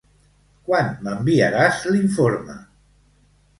Quan m'enviaràs l'informe?